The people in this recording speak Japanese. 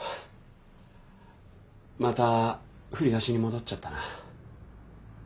また振り出しに戻っちゃったな。